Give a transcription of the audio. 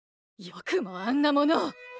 よくもあんなものを！